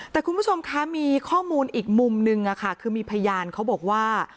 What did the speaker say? แต่คุณผู้ชมคะมีข้อมูลอีกมุมนึงคือมีพยานเขาบอกว่า